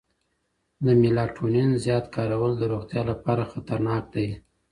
د میلاټونین زیات کارول د روغتیا لپاره خطرناک دی.